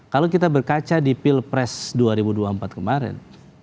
kalau kita berkaca di pilpres dua ribu dua puluh empat kemarin